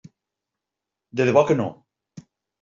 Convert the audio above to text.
De debò que no.